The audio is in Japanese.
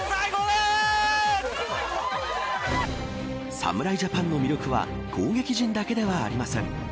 侍ジャパンの魅力は攻撃陣だけではありません。